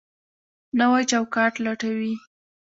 نوی چوکاټ لټوي.